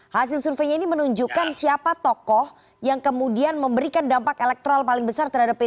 hasil surveinya ini menunjukkan siapa tokoh yang kemudian memberikan dampak elektrol paling besar terhadap p tiga